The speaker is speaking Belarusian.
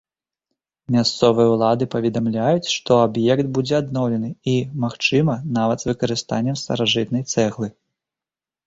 Мясцовыя ўлады паведамляюць, што аб'ект будзе адноўлены, і, магчыма, нават з выкарыстаннем старажытнай цэглы.